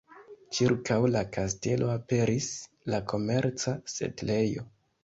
Ĉirkaŭ la kastelo aperis la komerca setlejo.